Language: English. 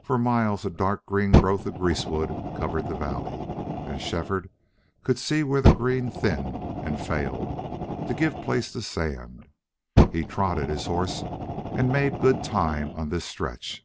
For miles a dark green growth of greasewood covered the valley, and Shefford could see where the green thinned and failed, to give place to sand. He trotted his horse and made good time on this stretch.